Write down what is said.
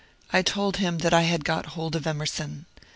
I told him that I had got hold of Emerson.